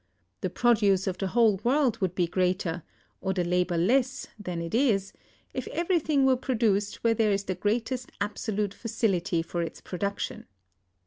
The produce of the whole world would be greater, or the labor less, than it is, if everything were produced where there is the greatest absolute facility for its production.